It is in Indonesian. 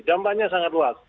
dampaknya sangat luas